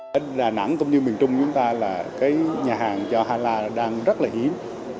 đến đà nẵng cũng như miền trung chúng ta là cái nhà hàng cho hala đang rất là hiếm